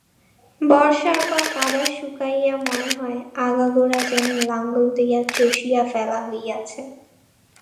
বর্ষার পর কাদা শুকাইয়া মনে হয় আগাগোড়া যেন লাঙল দিয়া চষিয়া ফেলা হইয়াছে।